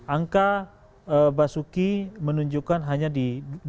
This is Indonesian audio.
angka basuki menunjukkan hanya di dua puluh delapan